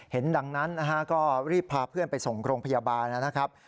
ดังนั้นนะฮะก็รีบพาเพื่อนไปส่งโรงพยาบาลนะครับ